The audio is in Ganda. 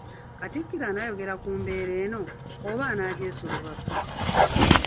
Katikkiro anaayogera ku mbeera eno oba anaagyesulubabba?